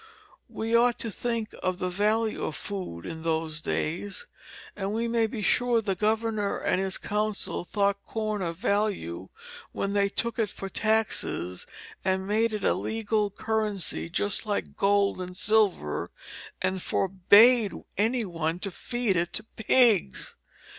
We ought to think of the value of food in those days; and we may be sure the governor and his council thought corn of value when they took it for taxes and made it a legal currency just like gold and silver, and forbade any one to feed it to pigs.